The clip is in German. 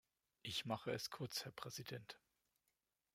Ich mache es kurz, Herr Präsident.